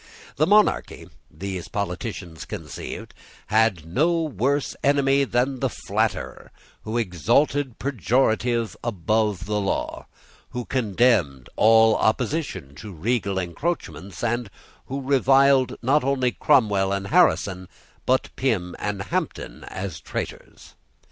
The monarchy, these politicians conceived, had no worse enemy than the flatterer who exalted prerogative above the law, who condemned all opposition to regal encroachments, and who reviled, not only Cromwell and Harrison, but Pym and Hampden, as traitors.